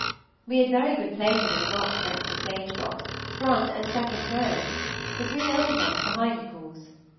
We had very good places in the box next the stage box, front and second row; the three old ones behind, of course.